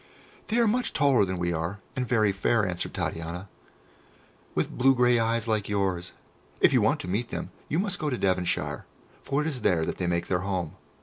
"They are much taller than we are, and very fair," answered Titania, "with blue grey eyes like yours. If you want to meet them, you must go to Devonshire, for it is there that they make their home.